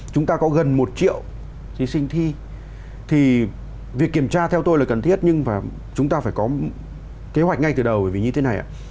chúng ta có gần một triệu thí sinh thi thì việc kiểm tra theo tôi là cần thiết nhưng mà chúng ta phải có kế hoạch ngay từ đầu bởi vì như thế này ạ